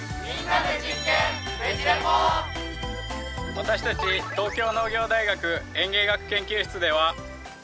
私たち東京農業大学園芸学研究室では。